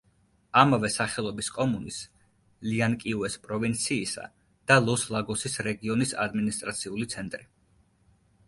ამავე სახელობის კომუნის, ლიანკიუეს პროვინციისა და ლოს-ლაგოსის რეგიონის ადმინისტრაციული ცენტრი.